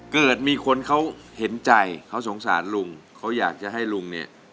เกิดมีคนเขาเห็นใจเขาสงสารลุงเขาอยากจะให้ลุงเนี่ย